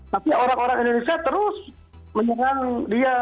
tapi orang orang indonesia terus menyerang dia